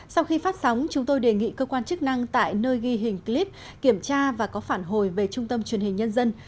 sau khi phát sóng chúng tôi đề nghị cơ quan chức năng tại nơi ghi hình clip kiểm tra và có phản hồi về trung tâm truyền hình nhân dân